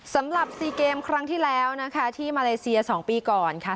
สำหรับ๔เกมครั้งที่แล้วนะคะที่มาเลเซีย๒ปีก่อนค่ะ